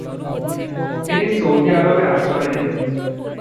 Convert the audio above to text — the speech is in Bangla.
তিনি সৌদি আরবে আশ্রয় নেন।